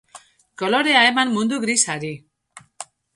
kolorea eman mundu grisari